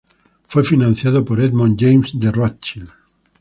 Fue financiado por Edmond James de Rothschild.